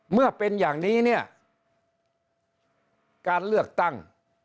เมื่อเป็นอย่างนี้เนี่ยการเลือกตั้ง